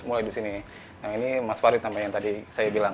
mulai disini ini e mail mas farid yang tadi saya bilang